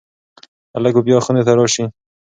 هلک به بیا خونې ته راشي.